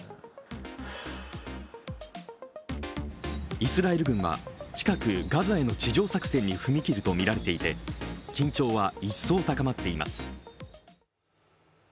イスラエル軍は近く、ガザへの地上作戦に踏み切るとみられていて緊張は一層高まっています。